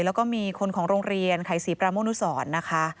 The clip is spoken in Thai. แล้วก็มีคนของโรงเรียนไขศรีปราโมนุสรนะคะ